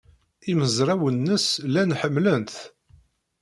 Imezrawen-nnes llan ḥemmlen-t.